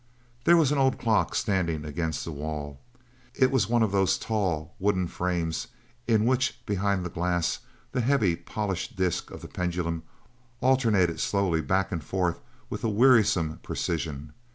There was an old clock standing against the wall. It was one of those tall, wooden frames in which, behind the glass, the heavy, polished disk of the pendulum, alternated slowly back and forth with wearisome precision.